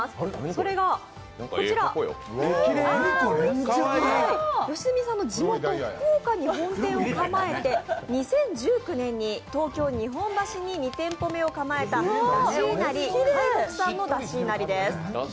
それがこちら、吉住さんの地元福岡に本店を構えまして２０１９年に東京・日本橋に２店舗目を構えただしいなり海木さんのだしいなりです。